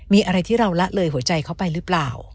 มีอะไรที่เราละเลยหัวใจเขาไปหรือเปล่า